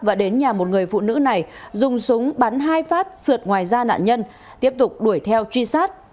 và đến nhà một người phụ nữ này dùng súng bắn hai phát sượt ngoài da nạn nhân tiếp tục đuổi theo truy sát